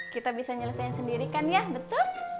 kita bisa nyelesaikan sendiri kan ya betul